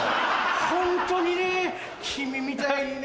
ホントにね君みたいにね